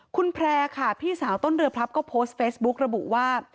คุณแพร่ค่ะพี่สาวต้นเรือพลับก็โพสต์เฟซบุ๊กระบุว่า